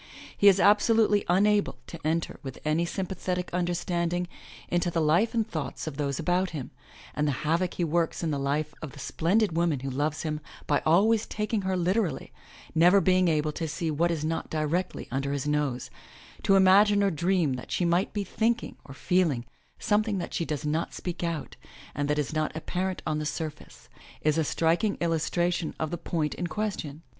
He is absolutely unable to enter with any sympathetic understand ing into the life and thoughts of those about him, and the havoc he works in the life of the splendid woman who loves him by always taking her literally, never being able to see what is not directly under his nose, to imagine or dream that she might be thinking or feeling something that she does not speak out, and that is not apparent on the surface, is a striking illustration of the point in question.